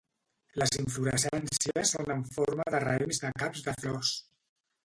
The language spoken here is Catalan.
Les inflorescències són en forma de raïms de caps de flors.